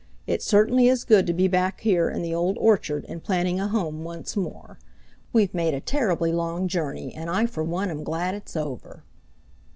It certainly is good to be back here in the Old Orchard and planning a home once more. We've made a terribly long journey, and I for one am glad it's over."